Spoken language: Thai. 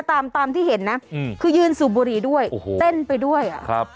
ตามตามที่เห็นนะอืมคือยืนสูบบุรีด้วยโอ้โหเต้นไปด้วยอ่ะครับ